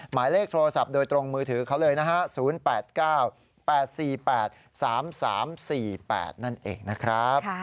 หมายเลขโทรศัพท์โดยตรงมือถือเขาเลยนะฮะ๐๘๙๘๔๘๓๓๔๘นั่นเองนะครับ